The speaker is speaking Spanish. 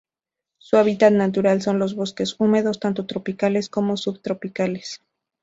Su hábitat natural son los bosques húmedos tanto tropicales como subtropicales.